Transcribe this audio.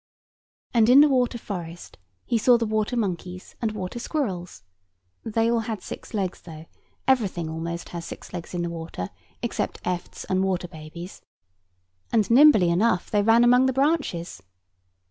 And in the water forest he saw the water monkeys and water squirrels (they had all six legs, though; everything almost has six legs in the water, except efts and water babies); and nimbly enough they ran among the branches.